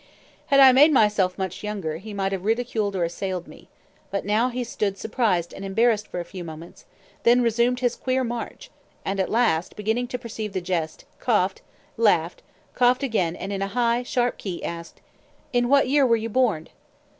Had I made myself much younger, he might have ridiculed or assailed me; but now he stood surprised and embarrassed for a few moments, then resumed his queer march; and at last, beginning to perceive the jest, coughed, laughed, coughed again, and in a high, sharp key asked, "In what year were you borned?"